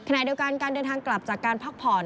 ขณะเดียวกันการเดินทางกลับจากการพักผ่อน